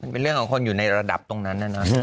เป็นเรื่องของคนอยู่ในระดับตรงนั้นนะ